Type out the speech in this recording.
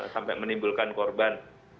sampai menimbulkan korban